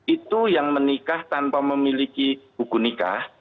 itu yang menikah tanpa memiliki buku nikah